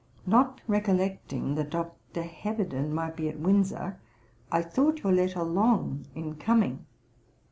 'Not recollecting that Dr. Heberden might be at Windsor, I thought your letter long in coming.